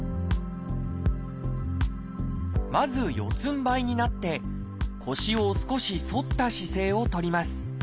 まず四つんばいになって腰を少し反った姿勢を取ります。